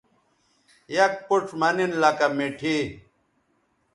یک پوڇ مہ نن لکہ مٹھائ